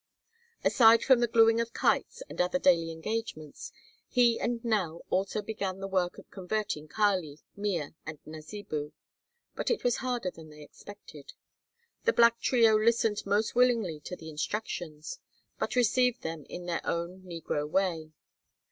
Aside from the gluing of kites and other daily engagements, he and Nell also began the work of converting Kali, Mea, and Nasibu. But it was harder than they expected. The black trio listened most willingly to the instructions, but received them in their own negro way.